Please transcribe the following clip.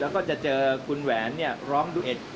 แล้วก็จะเจอคุณแหวนร้องดูเอ็ด